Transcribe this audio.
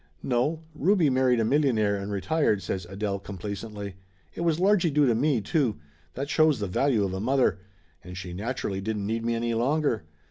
"No; Ruby married a millionaire and retired," says Adele complacently. "It was largely due to me, too. That shows the value of a mother ! And she naturally didn't need me any longer.